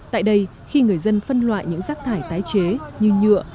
tại đây khi người dân phân loại những rác thải tái chế như nhựa